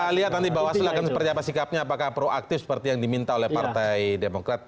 kita lihat nanti bawaslu akan seperti apa sikapnya apakah proaktif seperti yang diminta oleh partai demokrat